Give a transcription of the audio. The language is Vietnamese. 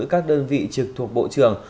các đơn vị trực thuộc bộ trưởng